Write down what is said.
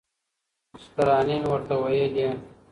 چي ترانې مي ورته ویلې